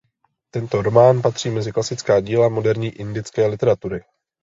Tento román patří mezi klasická díla moderní indické literatury.